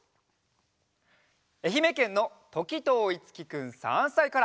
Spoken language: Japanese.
えひめけんのときとういつきくん３さいから。